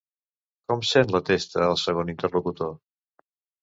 Com sent la testa el segon interlocutor?